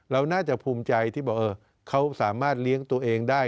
เราน่าจะภูมิใจที่บอกเขาสามารถเลี้ยงตัวเองได้